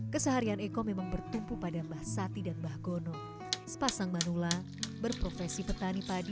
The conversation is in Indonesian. keseharian eko memang bertumpu pada mbah sati dan mbah gono sepasang manula berprofesi petani padi